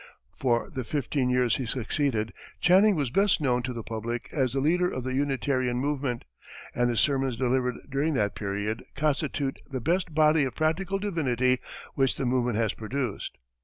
For the fifteen years succeeding, Channing was best known to the public as the leader of the Unitarian movement, and his sermons delivered during that period constitute the best body of practical divinity which that movement has produced.